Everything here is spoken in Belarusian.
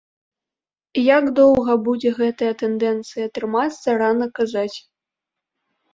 Як доўга будзе гэтая тэндэнцыя трымацца, рана казаць.